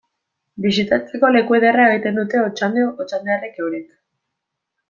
Bisitatzeko leku ederra egiten dute Otxandio otxandiarrek eurek.